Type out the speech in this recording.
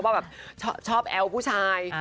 ว่าชอบแอวผู้ชาย